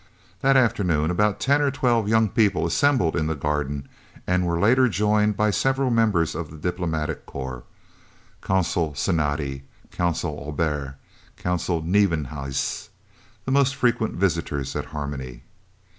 That afternoon about ten or twelve young people assembled in the garden and were later joined by several members of the Diplomatic Corps Consul Cinatti, Consul Aubert, and Consul Nieuwenhuis, the most frequent visitors at Harmony.